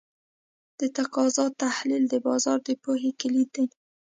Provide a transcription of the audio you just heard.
د تقاضا تحلیل د بازار د پوهې کلید دی.